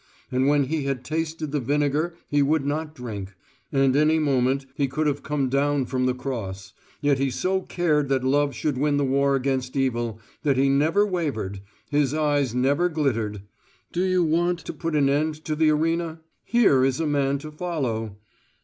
And when He had tasted the vinegar He would not drink. And any moment He could have come down from the Cross: yet He so cared that love should win the war against evil, that He never wavered, His eyes never glittered. Do you want to put an end to the arena? Here is a Man to follow.